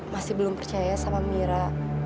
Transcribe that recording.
masih belum percaya sama mira